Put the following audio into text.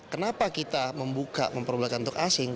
kenapa kita membuka memperbolehkan untuk asing